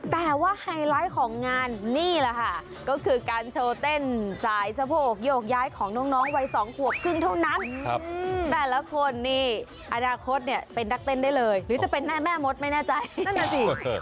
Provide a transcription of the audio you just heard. แต่ว่าไฮไลท์ของงานนี่แหละค่ะก็คือการโชว์เต้นสายสะโพกโยกย้ายของน้องวัย๒ขวบครึ่งเท่านั้นแต่ละคนนี่อนาคตเนี่ยเป็นนักเต้นได้เลยหรือจะเป็นหน้าแม่มดไม่แน่ใจนั่นน่ะสิ